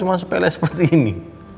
cuma sepele seperti ini